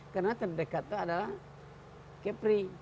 karena terdekat itu adalah kepri